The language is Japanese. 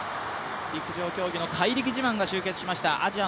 陸上自慢の怪力自慢が集結しました。